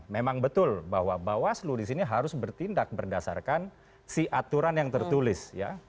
memang betul bahwa bawah seluruh disini harus bertindak berdasarkan si aturan yang tertulis